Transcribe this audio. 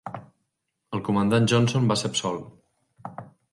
El comandant Johnson va ser absolt.